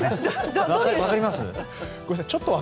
分かります？